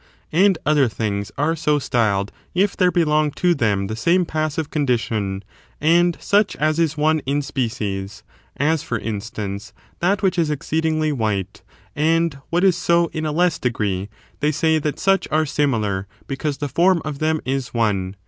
And other things are so styled if there belong to them the same passive condition, and such as is one in species; as, for instance, that which is exceedingly white, and what is so in a less degree, they say that such are similar because the form of them is one.